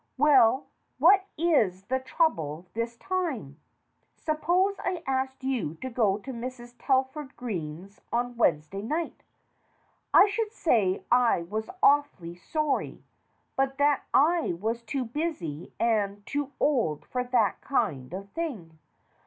"Well, what is the trouble this time?" "Suppose I asked you to go to Mrs. Talford Green's on Wednesday night?" "I should say I was awfully sorry, but that I was too busy and too old for that kind of thing.